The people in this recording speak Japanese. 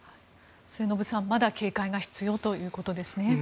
末延さん、まだ警戒が必要ということですね。